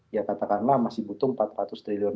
ya katakanlah masih butuh empat ratus triliun